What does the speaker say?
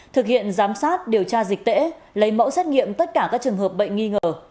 thực hiện giám sát điều tra dịch tễ lấy mẫu xét nghiệm tất cả các trường hợp bệnh nghi ngờ